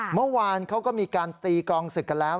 เมื่อวานเขาก็มีการตีกรองศึกกันแล้ว